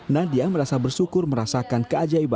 nadia merasa bersyukur merasakan keajaiban